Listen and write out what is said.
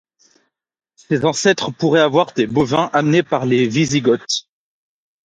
Ses ancêtres pourraient avoir des bovins amenés par les Wisigoths.